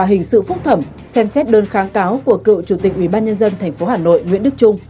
tòa hình sự phúc thẩm xem xét đơn kháng cáo của cựu chủ tịch ubnd tp hà nội nguyễn đức trung